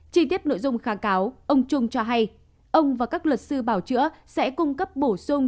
chi tiết nội dung kháng cáo ông trung cho hay ông và các luật sư bảo chữa sẽ cung cấp bổ sung